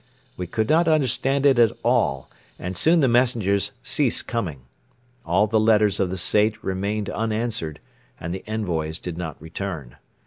We could not understand it at all and soon the messengers ceased coming. All the letters of the Sait remained unanswered and the envoys did not return.